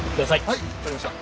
はい分かりました。